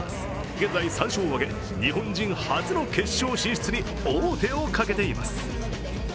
現在３勝を挙げ、日本人初の決勝進出に王手をかけています。